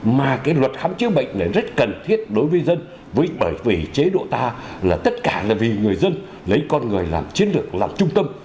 mà cái luật khám chữa bệnh này rất cần thiết đối với dân bởi vì chế độ ta là tất cả là vì người dân lấy con người làm chiến lược làm trung tâm